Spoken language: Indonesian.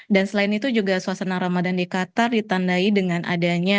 dan selain itu juga suasana ramadan di qatar ditandai dengan adiknya